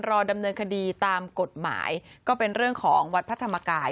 รอดำเนินคดีตามกฎหมายก็เป็นเรื่องของวัดพระธรรมกาย